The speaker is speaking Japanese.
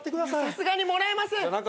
さすがにもらえません。